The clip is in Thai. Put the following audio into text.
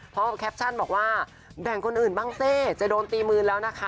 แคปชั่นบอกว่าแบ่งคนอื่นบ้างสิจะโดนตีมือแล้วนะคะ